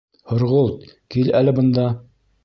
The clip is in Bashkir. — Һорғолт, кил әле бында!